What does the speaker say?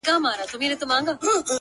گرانه شاعره صدقه دي سمه;